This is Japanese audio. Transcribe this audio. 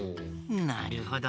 なるほど。